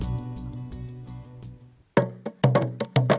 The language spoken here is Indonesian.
untuk casualties yang ada di mana